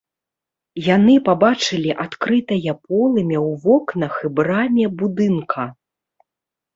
Яны пабачылі адкрытае полымя ў вокнах і браме будынка.